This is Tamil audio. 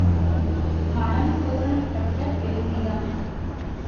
மனம் பூரணப்பட்ட பெருமிதம்.